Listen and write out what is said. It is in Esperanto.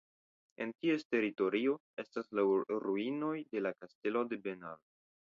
En ties teritorio estas la ruinoj de la kastelo de Benal.